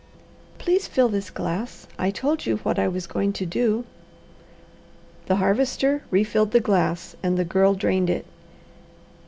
"Please fill this glass. I told you what I was going to do." The Harvester refilled the glass and the Girl drained it.